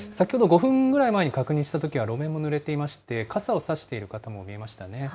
先ほど５分ぐらい前に確認したときには路面もぬれていまして、傘を差している方も見えましたね。